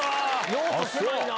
用途狭いな。